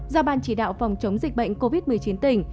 do ban chỉ đạo phòng chống dịch bệnh covid một mươi chín tỉnh